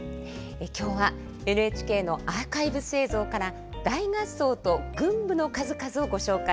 今日はＮＨＫのアーカイブス映像から大合奏と群舞の数々をご紹介